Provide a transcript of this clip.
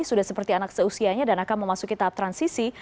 sudah seperti anak seusianya dan akan memasuki tahap transisi